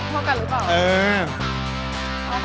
โบนัสกันหรือเปล่า